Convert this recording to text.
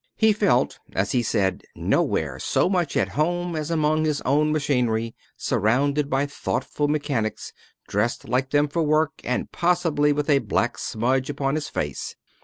He felt, as he said, nowhere so much at home as among his own machinery, surrounded by thoughtful mechanics, dressed like them for work, and possibly with a black smudge upon his face.